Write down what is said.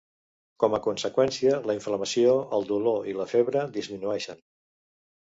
Com a conseqüència, la inflamació, el dolor i la febre disminueixen.